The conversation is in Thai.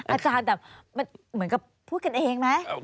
อาจารย์มันเหมือนพูดกันเองมั้ย